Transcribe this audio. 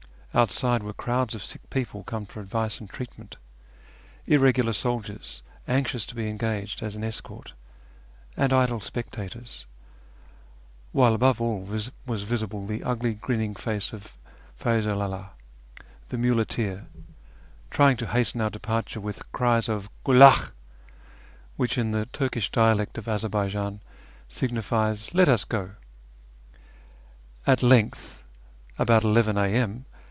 Outside were crowds of sick people come for advice and treatment, irregular soldiers anxious to be engaged as an escort, and idle spectators ; while above all was visible the ugly grinning face of Feyzu llah, the muleteer, trying to hasten our departure with cries of " Giclakh !" which, in the Turkish dialect of Azarbaijan, signifies " Let us go." At length, about 11 a.m.